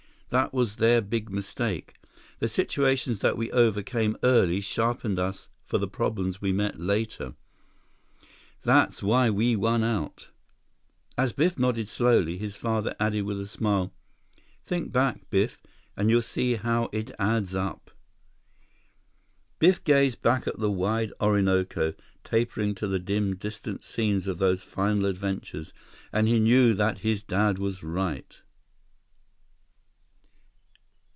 That was their big mistake. The situations that we overcame early sharpened us for the problems we met later. That's why we won out." As Biff nodded slowly, his father added with a smile: "Think back, Biff, and you'll see how it adds up." Biff gazed back at the wide Orinoco, tapering to the dim, distant scenes of those final adventures, and he knew that his dad was right.